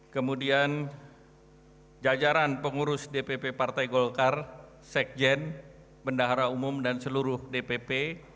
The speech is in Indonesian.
kemudian jajaran pengurus dpp partai golkar sekjen bendahara umum dan seluruh dpp